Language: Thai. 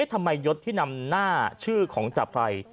ยศที่นำหน้าชื่อของจับไพร